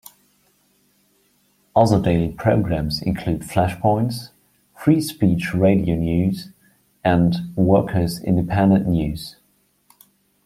Other daily programs include Flashpoints, Free Speech Radio News, and Workers Independent News.